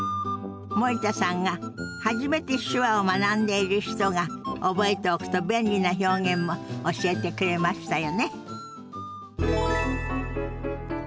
森田さんが初めて手話を学んでいる人が覚えておくと便利な表現も教えてくれましたよね。